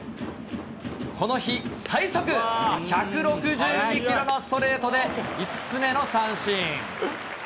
この日、最速１６２キロのストレートで５つ目の三振。